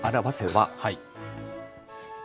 はい。